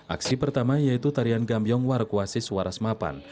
aksi pertama yaitu tarian gambiong warakuasis warasmapan